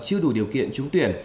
chưa đủ điều kiện trúng tuyển